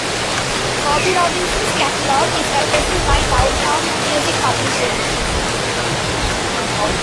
Bobby Robinson's catalog is represented by Downtown Music Publishing.